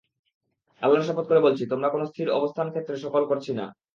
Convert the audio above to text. আল্লাহর শপথ করে বলছি, তোমরা কোন স্থির অবস্থান ক্ষেত্রে সকাল করছি না।